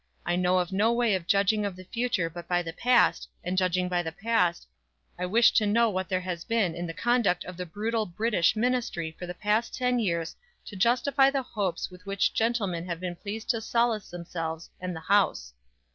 I know of no way of judging of the future but by the past, and judging by the past, I wish to know what there has been in the conduct of the brutal British ministry for the past ten years to justify the hopes with which gentlemen have been pleased to solace themselves and the house.